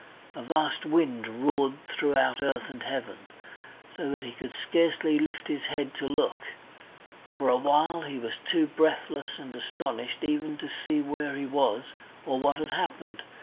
A vast wind roared throughout earth and heaven, so that he could scarcely lift his head to look. For a while he was too breathless and astonished even to see where he was or what had happened.